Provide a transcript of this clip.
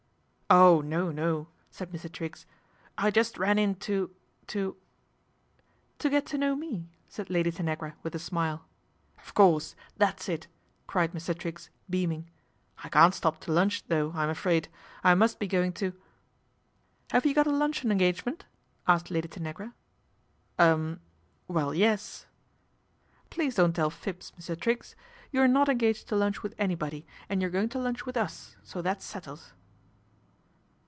" Oh no, no," said Mr. Triggs. " I just ran in to to "' To get to know me," said Lady Tanagra with i smile. " Of course ! That's it," cried Mr. Triggs, beam ing, "il can't stop to lunch though, I'm afraid. [ must be going to "" Have you got a luncheon engagement ?" asked Lady Tanagra. " Er well, yes." " Please don't tell fibs, Mr. Triggs. You're not engaged to lunch with anybody, and you're going to lunch with us, so that's settled."